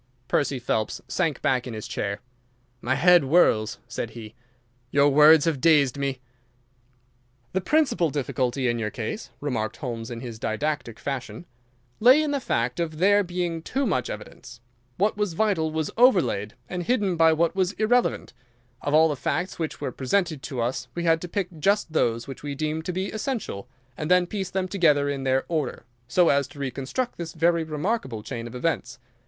Percy Phelps sank back in his chair. "My head whirls," said he. "Your words have dazed me." "The principal difficulty in your case," remarked Holmes, in his didactic fashion, "lay in the fact of there being too much evidence. What was vital was overlaid and hidden by what was irrelevant. Of all the facts which were presented to us we had to pick just those which we deemed to be essential, and then piece them together in their order, so as to reconstruct this very remarkable chain of events.